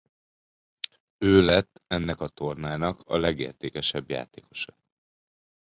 Ő lett ennek a tornának a legértékesebb játékosa.